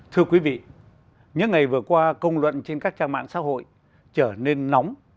thưa quý vị những ngày vừa qua công luận trên các trang mạng xã hội trở nên nóng